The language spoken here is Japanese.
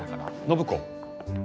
暢子。